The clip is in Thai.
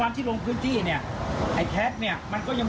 อันนี้คือพูดความจริง